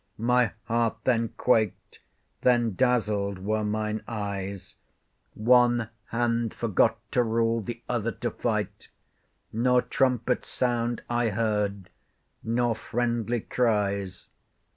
My heart then quak'd, then dazzled were mine eyes; One hand forgot to rule, th'other to fight; Nor trumpet's sound I heard, nor friendly cries.